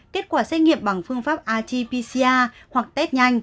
kết quả xét nghiệm bằng phương pháp rt pcr hoặc test nhanh